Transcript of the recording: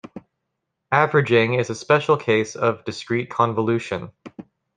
Averaging is a special case of discrete convolution.